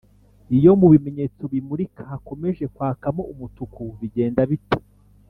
iyo mubimenyetso bimurika hakomeje kwakamo Umutuku bigenda bite